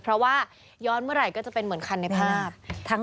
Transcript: เพราะว่าย้อนเมื่อไหร่ก็จะเป็นเหมือนคันในภาพ